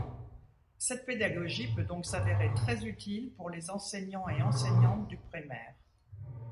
Cette pédagogie peut donc s'avérer très utile pour les enseignants et enseignantes du primaire.